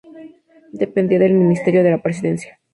Dependía del Ministerio de la Presidencia.